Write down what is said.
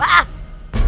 ajiat setan jangki